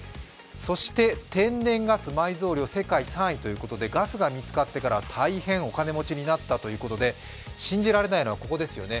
そして天然ガス埋蔵量が世界３位ということでガスが見つかってから大変お金持ちになったということで、信じられないのはここですね。